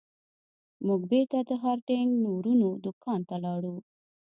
موږ بیرته د هارډینګ ورونو دکان ته لاړو.